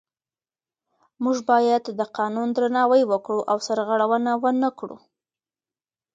موږ باید د قانون درناوی وکړو او سرغړونه ونه کړو